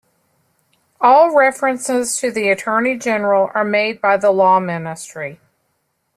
All references to the Attorney General are made by the Law Ministry.